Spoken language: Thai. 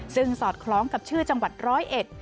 ซึ่งสอดคล้องกับชื่อจังหวัดร้อยเอ็ด